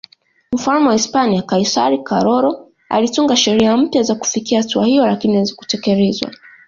Mfalme wa Hispania Kaisari Karolo alitunga sheria mpya za kufikia hatua hiyo lakini hazikutekelezwa